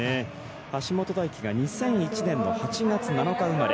橋本大輝が２００１年の８月７日生まれ。